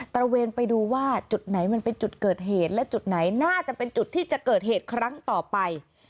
ระเวนไปดูว่าจุดไหนมันเป็นจุดเกิดเหตุและจุดไหนน่าจะเป็นจุดที่จะเกิดเหตุครั้งต่อไป